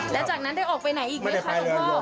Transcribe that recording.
แล้วจากนั้นได้ออกไปไหนอีกไหมคะหลวงพ่อ